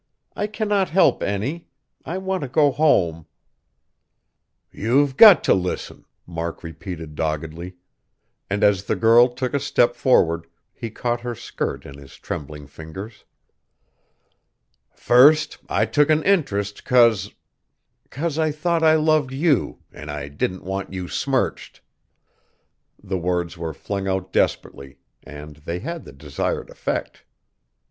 I cannot help any; I want to go home." "You've got t' listen!" Mark repeated doggedly; and as the girl took a step forward, he caught her skirt in his trembling fingers. "First I took an interest 'cause 'cause I thought I loved you, an' I didn't want you smirched!" The words were flung out desperately, and they had the desired effect.